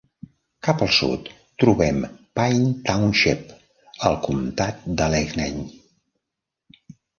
Cap al sud trobem Pine Township, al Comptat d'Allegheny.